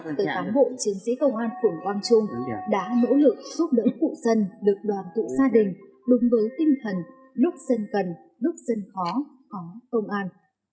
từ cán bộ chiến sĩ công an phường quang trung đã nỗ lực giúp đỡ cụ dân được đoàn tụ gia đình đúng với tinh thần lúc dân cần lúc dân khó khó công an